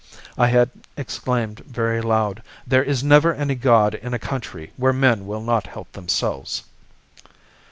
I had exclaimed very loud, 'There is never any God in a country where men will not help themselves.